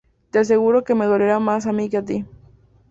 Te aseguro que me dolerá más a mí que a ti